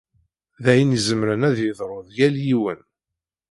D ayen izemren ad yeḍru d yal yiwen.